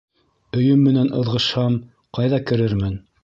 Өйөм менән ыҙғышһам, ҡайҙа керермен?